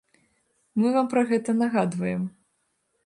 Мы вам пра гэта нагадваем.